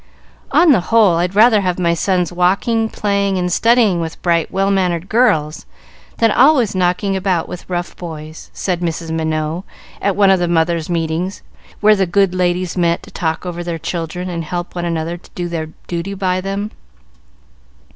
"On the whole I'd rather have my sons walking, playing, and studying with bright, well mannered girls, than always knocking about with rough boys," said Mrs. Minot at one of the Mothers' Meetings, where the good ladies met to talk over their children, and help one another to do their duty by them.